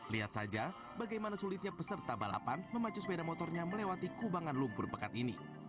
lihat saja bagaimana sulitnya peserta balapan memacu sepeda motornya melewati kubangan lumpur pekat ini